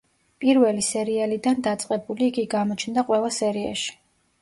პირველი სერიალიდან დაწყებული, იგი გამოჩნდა ყველა სერიაში.